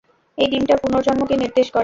এই ডিমটা পুনর্জন্মকে নির্দেশ করে!